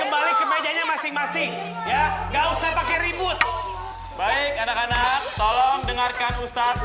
kembali ke mejanya masing masing ya nggak usah pakai ribut baik anak anak tolong dengarkan ustadz